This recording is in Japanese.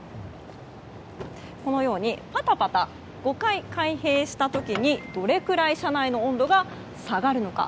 このようにパタパタ５回開閉した時にどれくらい車内の温度が下がるのか。